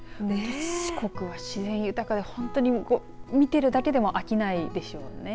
四国は自然豊かで本当に見ているだけでも飽きないでしょうね。